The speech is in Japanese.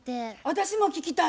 私も聞きたい。